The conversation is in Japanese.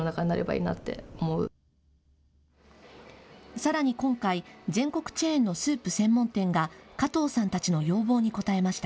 さらに今回、全国チェーンのスープ専門店が加藤さんたちの要望に応えました。